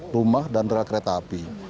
rumah dan rel kereta api